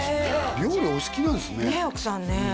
料理お好きなんですねねえ